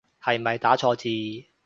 係咪打錯字